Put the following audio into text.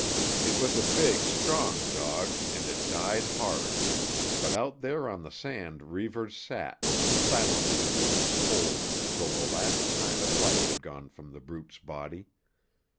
It was a big, strong dog and it died hard, but out there on the sand Reivers sat, silently keeping his hold till the last sign of life had gone from the brute's body.